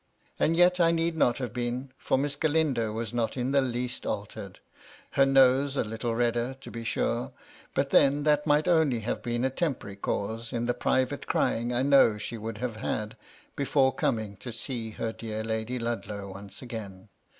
And yet I need not have been, for Miss Galindo was not in the least altered (her nose a little redder, to be sure, but then that might only have had a temporary cause in the private crying I know she would have had before coming to see her dear Lady Ludlow once again.)